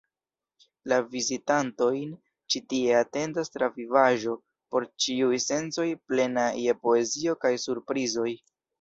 La vizitantojn ĉi tie atendas travivaĵo por ĉiuj sensoj, plena je poezio kaj surprizoj.